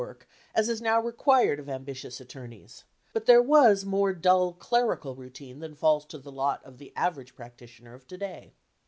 grossing desk work as is now required of am bitious attorneys ; but there was more dull, clerical routine than falls to the lot of the average practitioner of to day.